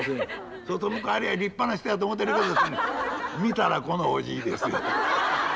そうすると向こうは立派な人やと思ってるけど見たらこのおじいですよ。